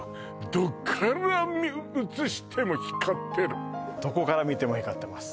どっから写しても光ってるどこから見ても光ってます